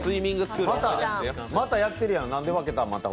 またやってるやん。